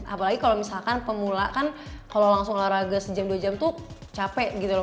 apalagi kalau misalkan pemula kan kalau langsung olahraga sejam dua jam tuh capek gitu loh